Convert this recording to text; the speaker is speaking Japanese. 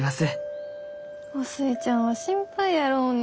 お寿恵ちゃんは心配やろうに。